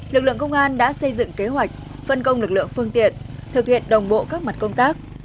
lực lượng công an đã xây dựng kế hoạch phân công lực lượng phương tiện thực hiện đồng bộ các mặt công tác